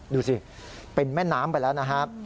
ดูสิเป็นแม่น้ำไปแล้วนะครับ